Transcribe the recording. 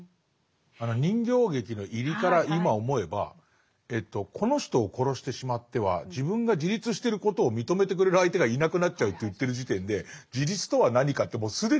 あの人形劇の入りから今思えばこの人を殺してしまっては自分が自立してることを認めてくれる相手がいなくなっちゃうって言ってる時点で自立とは何かってもう既に揺らいでますよね。